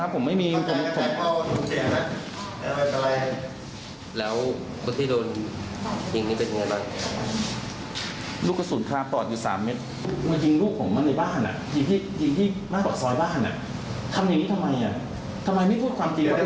ขับเหมือนกัก